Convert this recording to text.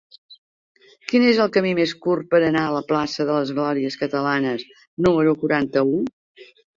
Quin és el camí més curt per anar a la plaça de les Glòries Catalanes número quaranta-u?